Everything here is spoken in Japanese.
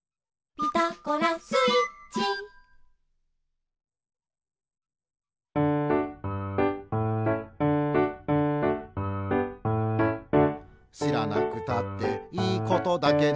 「ピタゴラスイッチ」「しらなくたっていいことだけど」